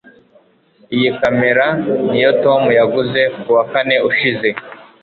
iyi kamera niyo tom yaguze kuwa kane ushize